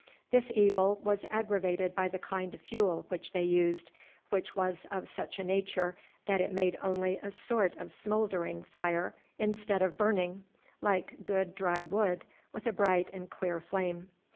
This evil was aggravated by the kind of fuel which they used, which was of such a nature that it made only a sort of smouldering fire instead of burning, like good dry wood, with a bright and clear flame.